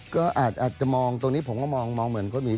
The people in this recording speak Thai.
ก็อาจจะมองตรงนี้ผมก็มองเหมือนก็มี